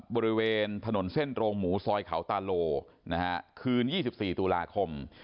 บริเวณถนนเส้นโรงหมูซอยเขาตาโลคืน๒๔ตุลาคม